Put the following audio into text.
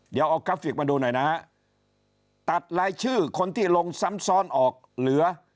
เดี๋ยวเอากราฟิกมาดูหน่อยนะฮะตัดรายชื่อคนที่ลงซ้ำซ้อนออกเหลือ